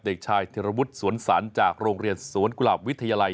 เด็กชายธิรวุฒิสวนสรรจากโรงเรียนสวนกุหลาบวิทยาลัย